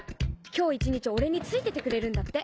今日一日俺についててくれるんだって。